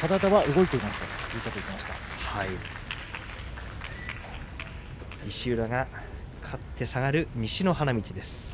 体は動いていますと石浦が勝って下がる西の花道です。